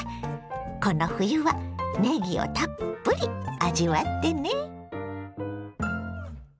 この冬はねぎをたっぷり味わってね！